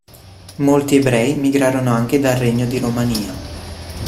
Molti ebrei migrarono anche dal Regno di Romania.